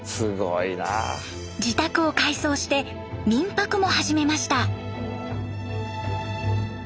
自宅を改装して民泊も始めました。